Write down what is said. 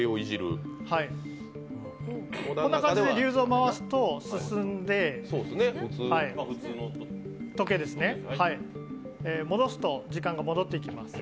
こんな感じでリューズを回すと進んで戻すと時間が戻ってきます。